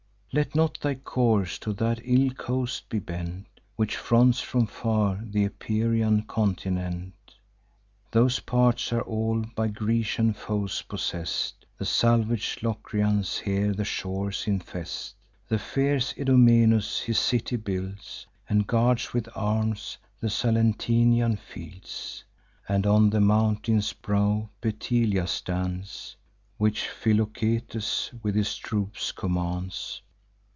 Let not thy course to that ill coast be bent, Which fronts from far th' Epirian continent: Those parts are all by Grecian foes possess'd; The salvage Locrians here the shores infest; There fierce Idomeneus his city builds, And guards with arms the Salentinian fields; And on the mountain's brow Petilia stands, Which Philoctetes with his troops commands.